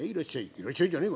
「いらっしゃいじゃねえ